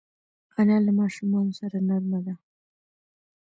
انا له ماشومانو سره نرمه ده